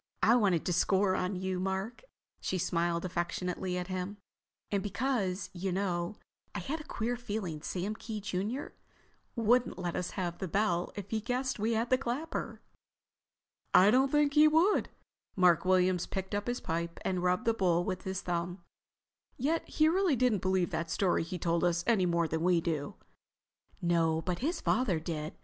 I wanted to score on you, Mark—" she smiled affectionately at him—"and because, you know, I had a queer feeling Sam Kee, junior, wouldn't let us have the bell if he guessed we had the clapper." "I don't think he would." Mark Williams picked up his pipe and rubbed the bowl with his thumb. "Yet he didn't really believe that story he told us any more than we do." "No, but his father did.